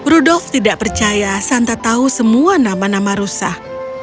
rudolf tidak percaya santa tahu semua nama nama rusak